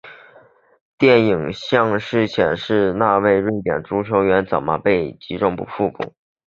电视影像清楚显示那位瑞典足球员怎样被击中腹部。